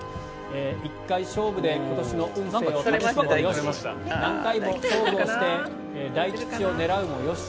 １回勝負で今年の運勢を占うもよし何回も勝負をして大吉を狙うもよし。